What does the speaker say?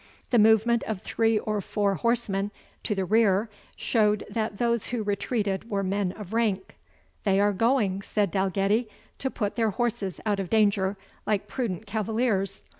The movement of three or four horsemen to the rear showed that those who retreated were men of rank. "They are going," said Dalgetty, "to put their horses out of danger, like prudent cavaliers.